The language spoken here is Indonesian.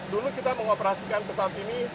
dulu kita mengoperasikan pesawat ini